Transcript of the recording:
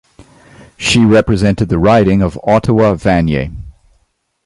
She represented the riding of Ottawa-Vanier.